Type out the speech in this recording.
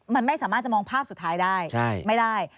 มันไม่สามารถจะมองภาพสุดท้ายได้ไม่ได้